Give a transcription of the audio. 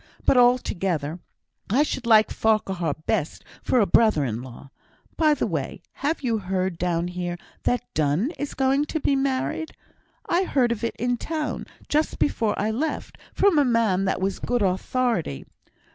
But, altogether, I should like Farquhar best for a brother in law. By the way, have you heard down here that Donne is going to be married? I heard of it in town, just before I left, from a man that was good authority.